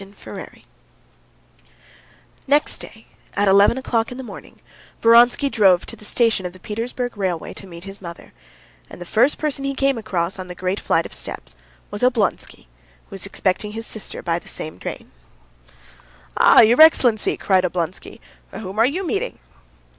Chapter 17 Next day at eleven o'clock in the morning Vronsky drove to the station of the Petersburg railway to meet his mother, and the first person he came across on the great flight of steps was Oblonsky, who was expecting his sister by the same train. "Ah! your excellency!" cried Oblonsky, "whom are you meeting?"